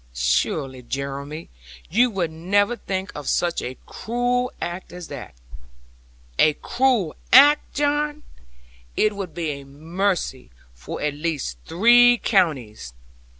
Surely, Jeremy, you would never think of such a cruel act as that!' 'A cruel act, John! It would be a mercy for at least three counties.